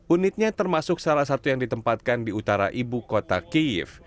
unitnya termasuk salah satu yang ditempatkan di utara ibu kota kiev